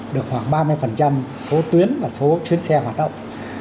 được khoảng ba mươi số tuyến và số chuyến xe hoạt động